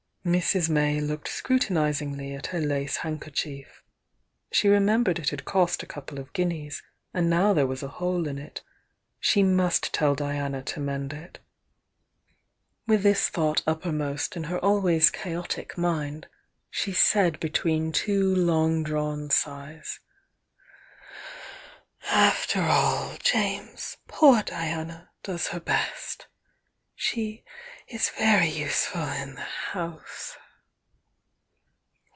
Mrs. May looked scrutinizingly at her lace hand kerchief. She remembered it had cost a couple of guineas, and now there was a hole in it. She must tell Diana to mend it. With this thought upper most in her always chaotic mind, she said between two long drawn sighs: "After all, James, poor Diana does her best. She 18 very useful in the house."